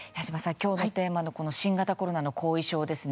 今日のテーマの新型コロナの後遺症ですね。